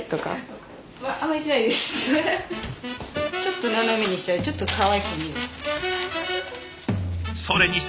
ちょっと斜めにしたらちょっとかわいく見える。